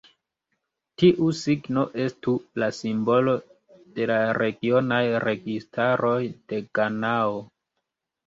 Tiu signo estu la simbolo de la regionaj registaroj de Ganao.